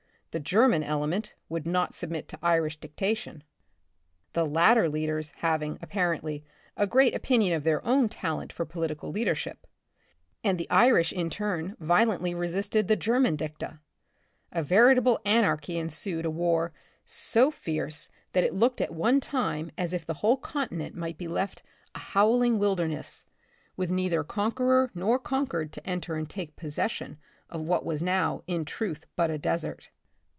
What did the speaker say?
The German element would not submit to Irish dictation — the latter leaders having, apparently, a great opinion of their own talent for political leadership — and the Irish in turn violently resisted the Ger man dicta. A veritable anarchy ensued a war so fierce that it looked at one time as if the whole continent might be left a howling The Republic of the Future, 5 1 wilderness, with neither conqueror nor con quered to enter and take possession of what was now, in truth, but a desert.